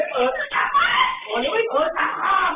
โทษมากโทษมาก